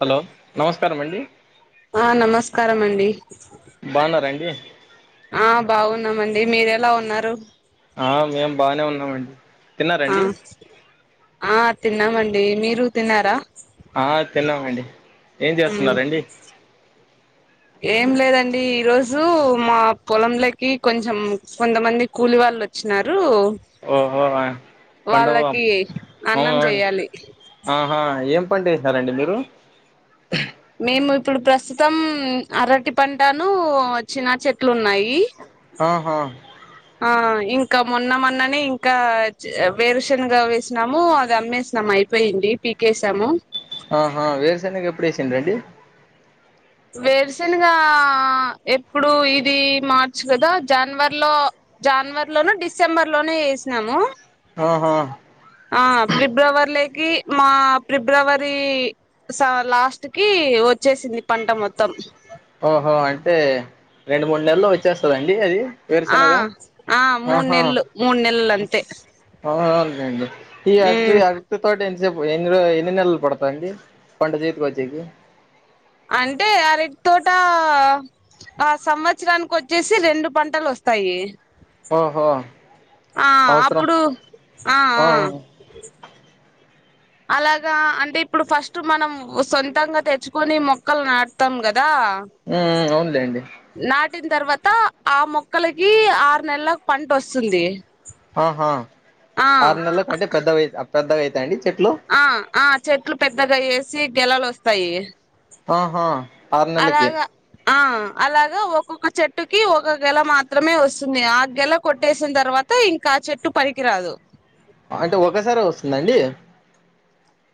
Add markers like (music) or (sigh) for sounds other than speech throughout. Hello నమస్కారం అండి ఆ నమస్కారం అండి బాగున్నారాండి ఆ బాగున్నామండి మీరు ఎలా ఉన్నారు ఆ మేము బానే ఉన్నామండి ఆ తిన్నారండి ఆ తిన్నామండి మీరు తిన్నారా ఆ తిన్నామండి ఏం ఉమ్ చేస్తున్నారుండి ఏం లేదండి ఈరోజు మా పొలంలకి కొంచెం కొంతమంది కూలి వాళ్ళు వచ్చ వచ్చినారు ఓహో పండ వాళ్ళకి అన్నం చేయాలి ఆహా ఏం ఏం పంట ఏసినారండి మీరు మేము ఇప్పుడు ప్రస్తుతం అరటి పంటను చినా చెట్లు ఉన్నాయి ఆహా ఆ ఇంకా మొన్న మొన్ననే ఇంకా వేరుషన్గా వేసినాము అది అమ్మేసినాము అయిపోయింది పీకేేశాము ఆహా వేరశనిగా ఎప్పుడు వేసింద్రుండి వేరాశనుగా ఎప్పుడు ఇది మార్చ్ కదా జనవరిలో జ జనవరిలోనో డిసెంబర్లోనో ఏసినాము ఆహా ఆ ఫిబ్రవరిలో కి మా ఫిబ్రవరి సాల్ లాస్ట్ కి వచ్చేసింది. పంట మొత్తం. ఓహో అంటే రెండు మూడు నెలల్లో వచ్చేస్తాదండి అది ఆ వేరుశెనగ ఆ మూడు ఆహా నెలలు మూడు నెలలు అంతే ఆ ఒకే అండి. ఈ ఆర్ ఉమ్ అరటి తోట ఎంట్ చెప్పు ఎన్ని రోజ్ ఎన్ని నెలలు పడతాండి పంట చేతికి వచ్చేకి అంటే అరటి తోట ఆ సంవత్సరానికి వచ్చేసి, రెండు పంటలు వస్తాయి. ఓహో ఆ సంవత్సరం అప్పుడు ఆ అలాగా అంటే ఇప్పుడు ఫస్ట్ మనం, సొంతంగా తెచ్చుకొని మొక్కలు నాటుతాం కదా. దా అవునులేండి నా ట్టిన తర్వాత ఆ మొక్కలకి ఆరు నెల్ల పంట వస్తుంది. ఆహా ఆ ఆరు నెలకి అంటే పెద్దవి పెద్దగా అయితాండి చెట్ ఆ ఆ చెట్లు పెద్దగా అయ్యేసి గెలలు వస్తాయి. ఆహా ఆరునెలకే అలాగా ఆ అలాగా ఒక్కొక్క చెట్టుకి ఒక్క గెల మాత్రమే వస్తుంది. ఆ గెల కొట్టేసిన తర్వాత్ తే ఇంకా చెట్టు పనికిరాదు. అంటే ఒకసారే వస్తుందండి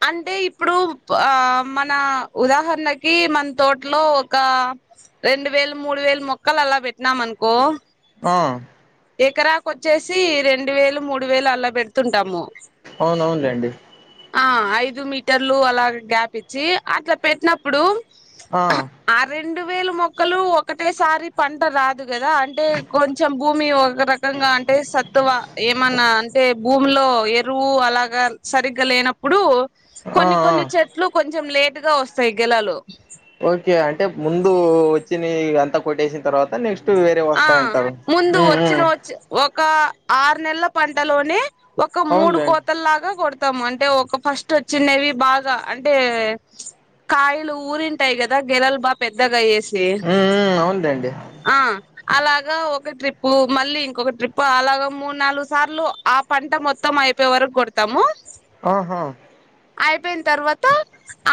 అంటే ఇప్పుడు ఆ మన ఉదాహరణకి మన తోటలో ఒక్క రెండు వేలు మూడు వేలు మొక్కలు అలా పెట్టినామ్ అనుకో ఆ ఎకరాకి వచ్చేసి రెండు వేలు మూడు వేలు అలా పెడుతుంటాము అవునవునులేండి ఆ ఐదు మీటర్లు అలాగ గ్యాప్ ఇచ్చి అట్లా పెట్టినప్పుడు. ఆ ఆ రెండు వేలు మొక్కలు ఒకటేసారి పంట రాదు గదా అంటే కొంచెం. భూమి ఒక రకంగా అంటే సత్తువ ఏమన్నా అంటే భూమ్ లో ఎరువు అలాగా సరిగ్గా లేనప్పుడు. ఆ కొన్ని ఆ కొన్ని చెట్లు కొంచెం లేట్, లేట్గా వస్తాయి గెలాలు. ఓకే అంటే ముందు వొచ్చియి అంతా కొట్టేసిన తర్వాత నెక్స్ట్ వేరే ఆ వస్తాయంటారు ముందు ఉమ్ వచ్చిన ఉమ్ వచ్చి ఒక్క, ఆరు నెలల పంటలోనే ఒక మూడు అవునులేండి కోతల్లాగా కొడత్ తాం అంటే ఒక ఫస్ట్ వచ్చినవి బాగా అంటే కాయలు ఊరింటాయి కదా గెలలు బా పెద్దగాయ్యేసి ఉమ్ ఉమ్ అవునులేండి ఆ, అలాగా ఒక ట్రిప్పు మళ్ళీ ఇంకొక ట్రిప్ అలాగా మూడు నాలుగు సార్లు ఆ పంట మొత్తం అయి అయిపోయే వరకు కొడతాము. ఆహా అయిపోయిన తర్వాత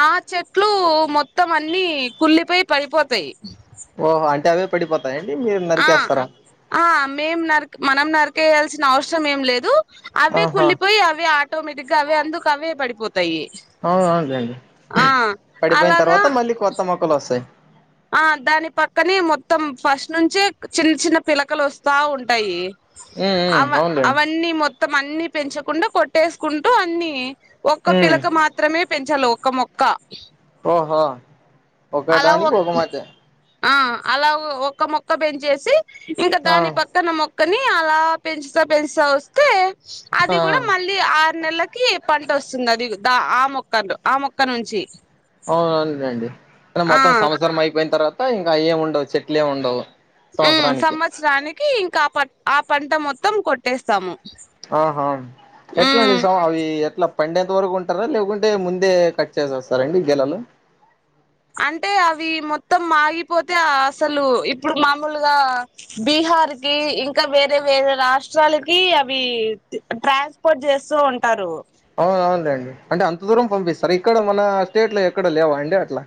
ఆ చెట్లు మొత్తం అన్ని కుల్లిపోయి పడిపోతాయి. ఓహో అంటే అవే పడిపోతాయ అండి మీరు ఆ నరికేస్తారా ఆ మేం నరక, మనం నరికేయాల్సిన అవసరం ఏం లేదు. అవే ఆహా కుళ్లిపోయి అవే ఆటోమేటిక్ గా అవే అందుకు అవే పడిపోత్ తాయి అవునవునులేండి ఆ పడిపోయిన అలాగా తర్వాత మళ్ళీ కొత్త మొక్కలు వస్తాయి ఆ దాని పక్కనే మొత్తం, ఫస్ట్ నుంచే చిన్న చిన్న పిలకలు వస్తా ఉంటాయి. ఉమ్ ఉమ్ అవ్ అవునులేండి అవన్నీ మొత్తం మొత్తం అన్ని పెంచకుండా కొట్టేసుకుంటూ అన్ని ఒక్క ఉమ్ పిలక మాత్రమే పెంచాలో ఒక్క మొక్క ఓహో అలా ఒక్క ఒకడానికి ఒక మొచ ఆ అలా ఒక మొక్క పెంచేసి ఇంకా ఆ దాని పక్కన మొక్కని, అలా పెంచుత పెంచుత వస్తె ఆ అది కూడా మళ్ళీ ఆరు నెలలక్ కి పంట వస్తుంది అది దా ఆ మొక్కలు ఆ మొక్క నుంచి అవునం అండి ఆ మొత్తం సంవత్సరం అయిపోయిన తర్వాత ఇంకా అవి ఏమి ఉండవు చెట్లు ఏమి ఉండవు హ్మ్ సంవత్సరానికి సంవత్సరానికి ఇంకా ప ఆ పంట మొత్తం కొట్టేస్తాము ఆహా ఎట్లా ఉమ్ (unintelligible) అవి ఇట్లా పండేంత వరకు ఉంటారా లేకుంటే ముందే కట్ చేసేస్తారండి గెలలు అంటే అవి మొత్తం ఆగిపోతే అసలు ఇప్పుడు మామూలుగా బీ బీహార్ కి ఇంకా వేరే వేరే రాష్ట్రాలకి అవి ట్రాన్స్ పోర్ట్ చేస్తూ ఉంటారు అవునులేండి అంటే అంత దూరం పంపిస్తారా ఇక్కడ మన స్టేట్ లో ఎక్కడ లేవా అండి అట్లా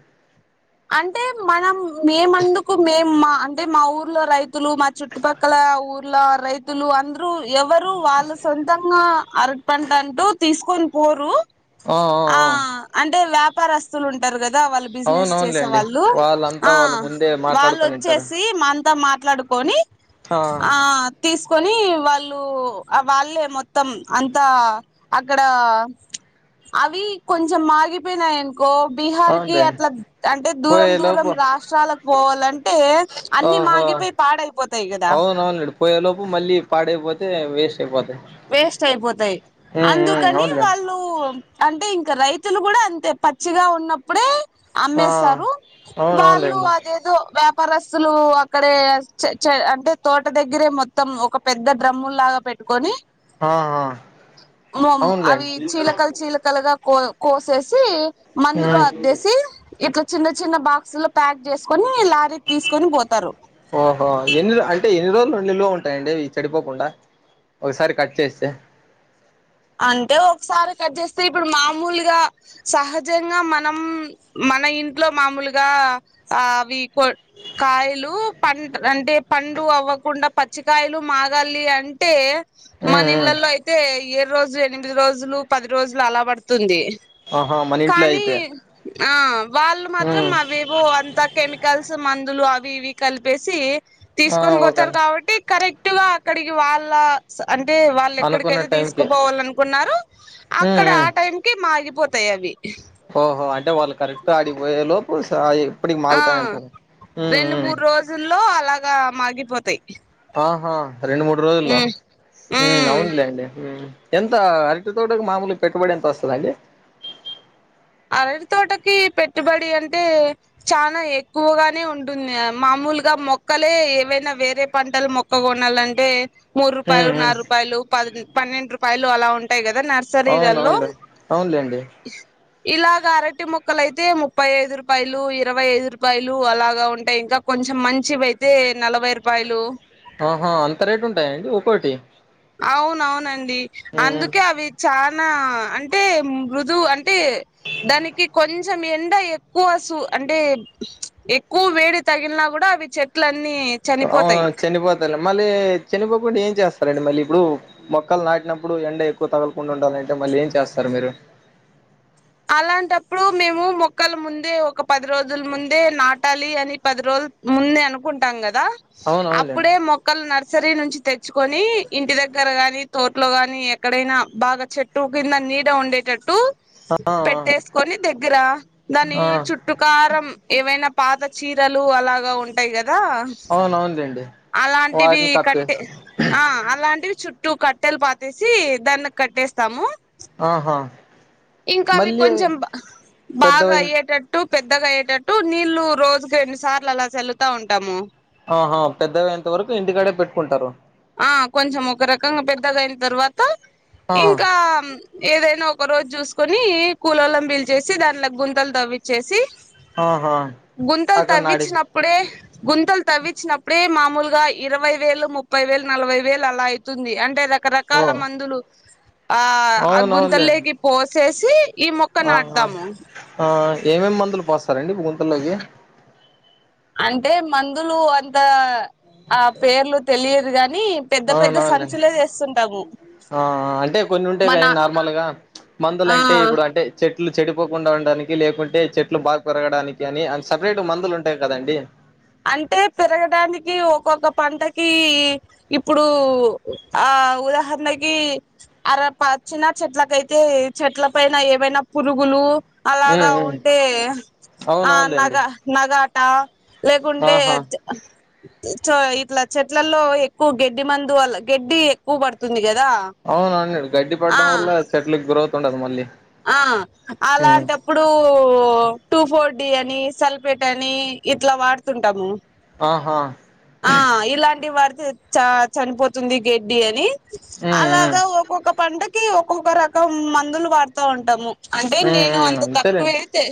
అంటే మనం మేమెందుకు మేము మా అంటే మా ఊర్లో రైతులు మా చుట్టుపక్కల ఆ ఊర్ల రైతులు అందరూ ఎవరు వాళ్ళు సొంతంగా అరట్ పంట అంటూ తీసు కని పోరు ఆ అంటే వ్యాపారస్తులు ఉంటారు కదా వాళ్ళ బిజినెస్ చేసే అవునవునులేండి వాళ్ళు వాళ్ళంతా ఆ వాళ్ళు ముందే వాళ్ళు మాట్లాడుకొని ఉంటారు వచ్చేసి అంత మా మాట్లాడుకొని ఆ తీసు కొని వాళ్ళు వాళ్ళే మొత్తం అంతా అక్కడా అవి కొంచెం మాగిపోయినాయి గో బీహార్ కి అవునులేండి అట్లా అంటే దూరం పోయే దూరం లోపు రాష్ట్రాలకు పోవాలం ఓహో కదా అవున అవునండి పోయేలోపు మళ్ళీ పాడైపోతే వేస్ట్ అయిపోతాయి వేస్ట్ అయిపోతాయి ఉమ్ ఉమ్ అందుకని అవునులేండి వాళ్ళు అంటే ఇ ఇక రైతులు కూడా అంతే పచ్చిగా ఉన్నప్పుడే ఆ అమ్మేస్తారు వాళ్ళు అవునవునులేండి అదేదో వ ప్పరస్సులు అక్కడే అంటే చ చ తోట దగ్గరే మొత్తం ఒక పెద్ద డ్రమ్ము లాగా పెట్ కొని ఆహా అవి అవునులేండి చీలకలు చీలకలుగా కో కోసేసి మందులో ఉమ్ అద్దేసి ఇట్లా చిన్న చిన్న బాక్సు లో ప్యాక్ చేసుకుని లారీకి తీసుకొని పోతారు ఓహో ఎన్ని అంటే ఎన్ని రోజులుండి లో ఉంటాయండివి చెడిపోకుండా ఒకసారి కట్ చేస్తే అంటే ఒకసారి కట్ చేస్తే ఇప్పుడు మామూలుగా సహజంగా మనం మన ఇంట్లో మామూలుగా ఆ అవి కో కాయలు పం అంటే పండు అవ్వకుండా పచ్చికాయలు మాగాలి అంటే మన ఉమ్ ఉమ్ ఇళ్ళల్లో అయితే ఏడురోజులు ఎనిమిది రోజులు పది రోజులు అలా పడుతుంది ఆహా మన ఇంట్లో కానీ అయితే ఆ వాళ్ళు మాత్రం ఉమ్ అవేవో అంత కెమికల్స్ మందులు అవి ఇవి కలిపేసి ఆ తీసుకొని ఓకే పోతారు కాబట్టి కరెక్ట్ గా అక్కడికి వాళ్ళ అంటే వాళ్ళు అనుకున్న ఎక్కడికైతే టైంకి తీసుకుపోవాల నుకున్నారు ఉమ్ అక్కడ ఉమ్ ఆ టైం కి మాగి పోతాయి అవి ఓహో అంటే వాళ్ళు కరెక్ట్గా ఆడికి పోయే లోపు సాయి ఆ రెండు మూడు రోజుల్లో అలాగా మాగిపోతాయి ఆహా రెండు మూడు రోజుల్లో ఉమ్ హ్మ్ ఉమ్ అవునులేండి ఎంత అరటి తోటకి మామూలు పెట్టుబడి ఎంత వస్తుందండి అరటి తోటకి పెట్టుబడి అంటే చానా ఎక్కువగానే ఉంటుంది మామూలు ఇక మొక్కలే ఏవైనా వేరే పంటలు మొక్క కొనాలంటే మూడు హ్మ్ రూపాయలు హ్మ్ నాలు రూపాయలు ప పన్నెండు రూపాయలు అలా ఉంటాయి కదా అవును నర్సరీలల్లో అవునులే అవునులేండి ఇలాగా అరటి మొక్కలు అయితే ముప్పై ఐదు రూపాయలు ఇరవై ఐదు రూపాయలు అలాగా ఉంటాయి ఇంకా కొం కొంచెం మంచివి అయితే నలభై రూపాయలు ఆహా అంత రేటు ఉంటాయండి ఒక్కోటి అవును అవునండి హ్మ్ అందుకే అవి చానా అంటే మృదు అం టే దానికి కొంచ కొంచెం ఎండ ఎక్కువ సు అంటే ఎక్కువ వేడి తగిలిన కూడా అవి చెట్లు అ అవును చనిపోతారు మళ్ళీ చనిపోకుండా ఏం చేస్త సరే అండి మళ్ళీ ఇప్పుడు మొక్కలు నాటినప్పుడు ఎండ ఎక్కువ తగలకుండా ఉండాలంటే మళ్ళీ ఏం చేస్తారు మీరు అలాంటప్పుడు మేము మొక్కలు ముందే ఒక పది రోజుల ముందే నాటాలి అని పది రోజుల ముందే అనుకుంటాం కదా అవును అవునులేండి అప్పుడే మొక్కలు నర్సరీ నుంచి తె చుకొని ఇంటి దగ్గర గాని మీ తోట్లో గాని ఎక్కడైనా బాగా చెట్టు కింద నీడ ఉండేటట్టు అ ఆ పెట్టేసుకొని దగ్గర దాని ఆ చుట్టు కారం ఏవైనా పాత చీరలు అలాగా ఉంటాయి కదా కదా అవును అవునులేండి అలాంటివి వాటిని కట్టే కప్పేసి ఆ అలాంటివి చు టూ కట్టెలు పాతసి దాన్ని కట్టేస్తాము ఆహా ఇంకా అవి మన్ కొంచెం బా బాగా అయ్యేటట్టు పెద్దగా అయ్యేటట్టు నీళ్లు రోజుకి రెండు సార్లు అలా చల్లుతా ఉంటాము ఆహా పెద్దగయంత వరకు ఇంటికాడే పెట్టుకుంటారు ఆ కొంచెం ఒక రకంగా పెద్దగయిన తర్వాత ఆ ఇంకా ఏదైనా ఒక రోజు చూసుకొని కూలోలన్ బీల్చేసి దాంట్ల గుంతలు తవ్విచ్చేసి ఆహా గుంతలు అక్కడ నాడి తవ్విచ్చినప్పుడే గుంతలు తవ్విన్చినప్పుడే మామూలుగా ఇరవై వేలు ముప్పై వేలు నలభై వేలు అలా ఐతుంది అంటే రక్ ఓ రకరకాల మందులు ఆ ఆ అవునవునులే గుంతలేకి పోసేసి ఈ మొక్క ఆహా నాటుతాము ఆ ఏమేమి మందులు పోస్తారండి ఇప్పు గుంతల్లోకి అంటే మందులు అంత ఆ పేర్లు తెలియదు కాని అవునవున లె ఆ అంటే కొన్ని ఉంటాయి మన కనీ నార్మల్గా మందులు ఆ అంటే ఇప్పుడు అంటే చెట్ చెట్లు చెడిపోకుండా ఉండడానికి లేకుంటే చెట్లు బాగా పెరగడానికి అని అని సపరేట్ గ మందులు ఉంటాయి కదండి అంటే పెరగడానికి ఒక్కొక్క పంటకి ఇప్పుడు ఆ అ ఉదాహరణకి అర పచ్చిన చెట్లకైతే చెట్ల పైన ఏవైనా పురుగులు ఉమ్ అలాగా ఉమ్ ఉంటే ఆ నగ అవునవునులేండి నగాట లేకుంటే ఆహా చె చో ఇట్లా చెట్లల్లో ఎక్కువ గెడ్డి మందు అలా గెడ్డి ఎక్కువ పడుతుంది కదా అవునండి గడ్డి ఆ పడడం వల్ల చెట్లకి గ్రోత్ ఉండదు మళ్ళీ ఆ ఉమ్ అలాంటప్పుడు టూ ఫోర్ డి అని సల్పేట్ అని ఇట్లా వాడుతుంటాము ఆహా ఆ ఇలాంటి వాడితె చ చనిపోతుంది గడ్డి అని ఉమ్ ఉమ్ అలాగా ఒక్కొక్క పంటకి ఒక్కొక్క రకం మందులు వాడుతా ఉంటాము అంటే ఉమ్ నేను ఉమ్ అంత తక్కువే అంతేలేండి తె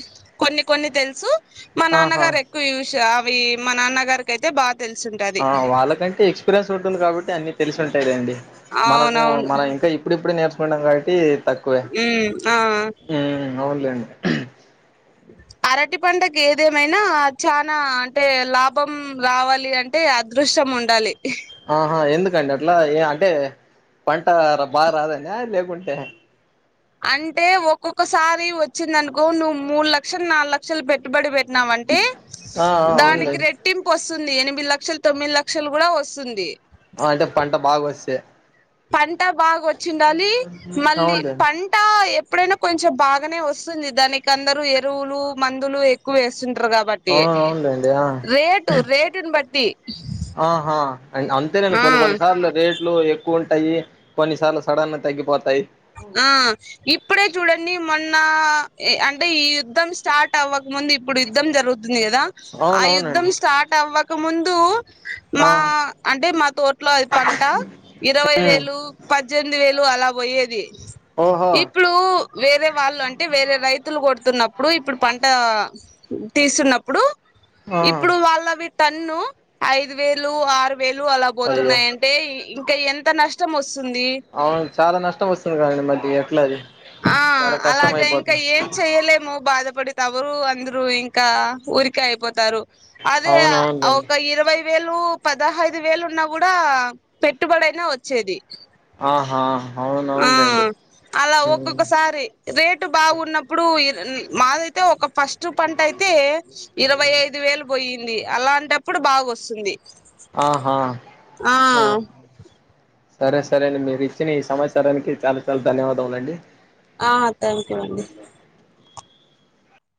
కొన్ని కొన్ని తెలుసు మా ఆహా నాన్నగారు ఎక్కువ యూస్ అవి మా నాన్నగారికి అయితే బా ఆ వాళ్ళకంటే ఎక్స్పీరియన్స్ ఉంటుంది కాబట్టి అన్ని తెలిసి ఉంటాయి లెండి మనకు అవునవును మనం ఇంకా ఇప్పుడు ఇప్పుడు నేర్చుకుంటం కాబట్టి తక్కువే ఊ ఆ ఉమ్ అవునులేండి అరటి పంటకు ఏదేమైనా చనా అంటే లాభం రావాలి అంటే అద్ దృష్టం ఉండాలి ఆహా ఎందుకండి అట్లా ఏ అంటే పంట ర బాగా రాదన లేకుంటే అంటే ఒక్కొక్కసారి వచ్చిందనుకో నువ్వు మూడు లక్షలు నాలుగు లక్షలు పెట్టుబడి పెట్ నావంటే ఆ ఆ అవునులే దానికి రెట్టింపు వస్ వస్తుంది ఎనిమిది లక్షలు తొమ్మిది లక్షలు కూడా వస్తుంది ఆ అంటే పంట బాగా వస్తే పంట బాగా వచ్చిండాలి మళ్ళీ అవునులేండి పంట ఎ ఇప్పుడైనా కొంచెం బాగానే వస్తుంది దానికి అందరూ ఎరువులు మందులు ఎక్కువ వేస్తుంది టరు కాబట్టి అవును అవునులేండి ఆ రేటు రేటుని బట్టి ఆహా అంతే నం ఆ కొన్ని కొన్ని సార్లు రేట్ లు ఎక్కువ ఉంటాయి కొన్నిసార్లు సడన్ తగ్గిపోతాయ్. ఆ ఇప్పుడే చూడండి మొన్న అంటే ఈ యుద్ధం స్టార్ట్ అవ్వక ముందు ఇప్పుడు యుద్ధం జరుగుతుంది కదా ఆ యుద్ధం అవునవునండి స్టార్ట్ అవ్వక ముందు ఆ మా అంటే మా తోట్లో పంట ఇరవై ఉమ్ వేలు పజ్జెనిమిది వేలు ఇపుడు అలా పోయేది ఓహో ఇప్పుడు వేరే వాళ్ళు అంటే వేరే రైతులు కొడుతున్నప్పుడు ఇప్పుడు పంట తీస్తున్నప్పుడు ఆ ఇప్పుడు వాళ్ళవి టన్ను ఐదు వేలు ఆరు వేలు అలా అయ్యో పోతున్నాయంటే ఇంకా ఎంత నష్టం వస్తు అవును చాలా నష్టం వస్తుంది కదండి మళ్ళీ ఎట్లా అది ఆ చాలా కష్టం అలాగ ఇంకా అయిపోతుంది ఏం చెయ్యలేము బాధపడి తవరు అందరూ ఇంకా ఊరికే అయిపోతారు అదే అవునవునులేండి ఒక ఇరవై పది వేలు పదహైదు వేలున్నా కూడా పెట్టుబడి ఐనా వచ్చేది. ఆహా అవును ఆ అవును లేండి. అలా ఒక్కొక్కసారి రేటు బాగున్నప్పుడు మాదైతే ఒక ఫస్ట్ పంట అయితే ఇరవై ఐదు వేలు పొయ్యింది, అలాంటప్పుడు బాగోస్తుంది. ఆహా సరే సరే అండి మీరు ఇచ్చిన ఈ సమాచారానికి చాలా చాలా ధన్యవాదములండి. ఆ థ్యాంక్ యూ అండి